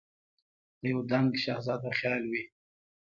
د یو دنګ شهزاده خیال وي